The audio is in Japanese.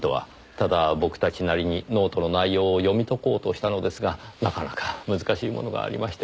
ただ僕たちなりにノートの内容を読み解こうとしたのですがなかなか難しいものがありまして。